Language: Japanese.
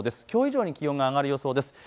きょう以上に気温が上がる予想です。